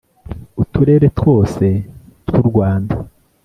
uturere twose tw u Rwanda